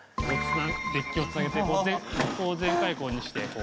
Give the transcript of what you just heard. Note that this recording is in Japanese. デッキをつなげてここを全開放にしてこう。